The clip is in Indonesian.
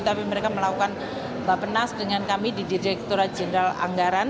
tapi mereka melakukan bapenas dengan kami di direkturat jenderal anggaran